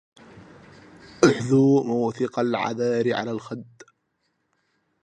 أخذوا موثق العذار على الخد